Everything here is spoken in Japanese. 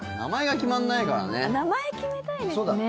名前決めたいですね。